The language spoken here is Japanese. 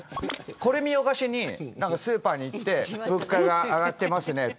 これ見よがしにスーパーに行って物価が上がってますねって。